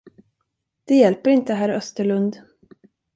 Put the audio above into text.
Det hjälper inte, herr Österlund.